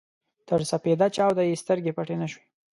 تر سپېده چاوده يې سترګې پټې نه شوې.